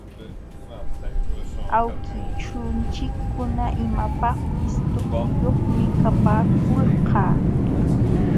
Awkillunchikkuna imapaqpis tupuyuqmi kapaakulqa.